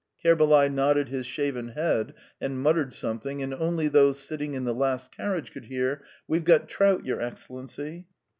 Kerbalay nodded his shaven head and muttered something, and only those sitting in the last carriage could hear: "We've got trout, your Excellency."